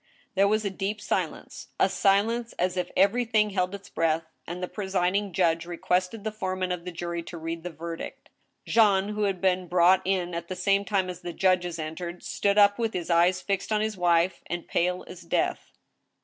There was a deep silence — a silence as if everything held its breath, and the presiding judge requested the foreman of the jury to read the verdict. Jean, who had been brought in at the same time as the judges entered, stood up, with his eyes fixed on his wife, and pale as death.